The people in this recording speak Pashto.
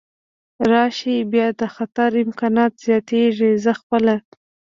راشي، بیا د خطر امکانات زیاتېږي، زه خپله.